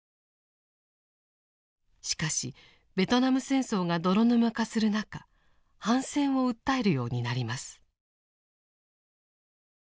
しかしベトナム戦争が泥沼化する中反戦を訴えるようになります。